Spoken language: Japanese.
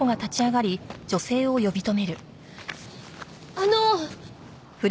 あの！